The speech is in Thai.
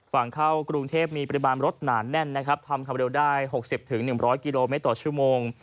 ฝั่งเข้ากรุงเทพมีปริมาณรถหนาแน่นนะครับทำความเร็วได้๖๐๑๐๐กิโลเมตรต่อชั่วโมง